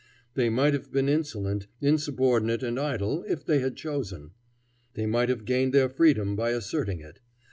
They might have been insolent, insubordinate, and idle, if they had chosen. They might have gained their freedom by asserting it.